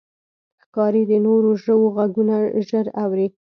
ښکاري د نورو ژوو غږونه ژر اوري.